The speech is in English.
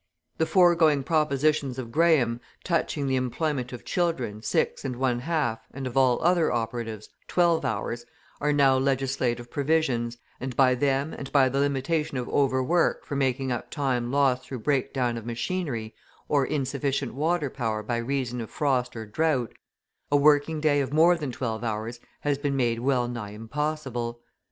The foregoing propositions of Graham touching the employment of children six and one half and of all other operatives twelve hours are now legislative provisions, and by them and by the limitation of overwork for making up time lost through breakdown of machinery or insufficient water power by reason of frost or drought, a working day of more than twelve hours has been made well nigh impossible.